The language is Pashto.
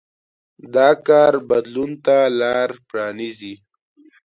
دا کار بدلون ته لار پرانېزي.